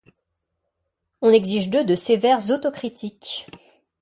On exige d'eux de sévères autocritiques.